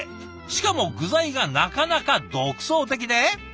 しかも具材がなかなか独創的で。